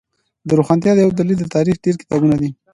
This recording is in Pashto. د روښانتیا یو دلیل د تاریخ ډیر کتابونه دی